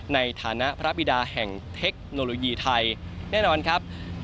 ในฐานะพระบิดาแห่งเทคโนโลยีไทยแน่นอนครับ